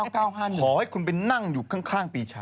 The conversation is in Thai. ขอให้คุณไปนั่งอยู่ข้างปีชา